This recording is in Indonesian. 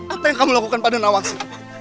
apa yang kamu lakukan pada nawasi